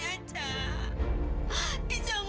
icah kamu sudah berubah